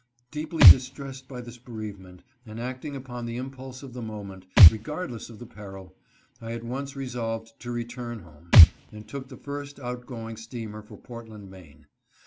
Deeply distressed by this bereavement, and acting upon the impulse of the moment, regardless of the peril, I at once resolved to return home, and took the first outgoing steamer for Portland, Maine.